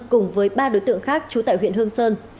cùng với ba đối tượng khác trú tại huyện hương sơn